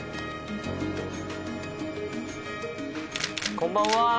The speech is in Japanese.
こんばんは。